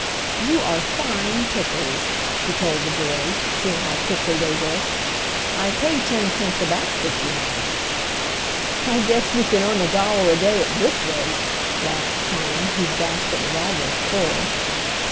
"You are fine pickers," she told the boys, seeing how quickly they worked. "I pay ten cents a basket, you know." "I guess we can earn a dollar a day at this rate," laughed Tom, whose basket was almost full.